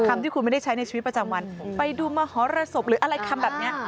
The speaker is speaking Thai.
คำที่คุณไม่ได้ใช้ในชีวิตประจำวันไปดูมหรสบหรืออะไรคำแบบนี้